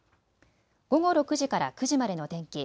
午後６時から９時までの天気。